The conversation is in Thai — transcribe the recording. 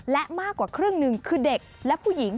และมากกว่าครึ่งหนึ่งคือเด็กและผู้หญิง